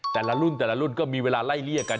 แต่ละรุ่นก็มีเวลาไล่เลี่ยกัน